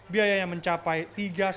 biayanya mencapai tiga empat miliar rupiah